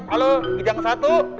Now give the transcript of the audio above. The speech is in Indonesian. halo gijang satu